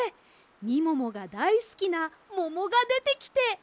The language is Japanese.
みももがだいすきなももがでてきて。